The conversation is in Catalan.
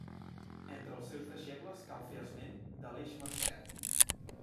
Entre els seus deixebles cal fer esment d'Aleix Mercè.